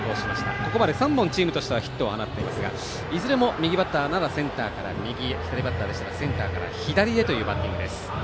ここまでチームとして３本ヒットを放っていますがいずれも右バッターならセンターから右へ左バッターならセンターから左へというバッティングです。